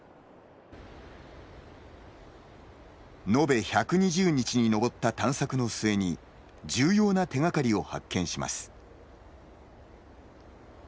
延べ１２０日に上った探索の末に重要な手がかりを発見します。